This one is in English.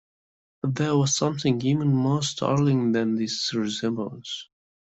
But there was something even more startling than this resemblance.